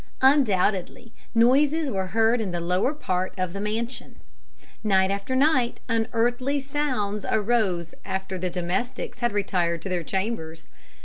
Undoubtedly, noises were heard in the lower part of the mansion. Night after night unearthly sounds arose after the domestics had retired to their chambers.